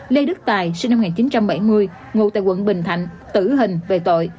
lê đức tài sinh năm một nghìn chín trăm bảy mươi ngụ tại quận bình thạnh tử hình về tội